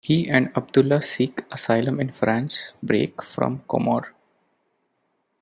He and Abdullah seek asylum in France break from Comore.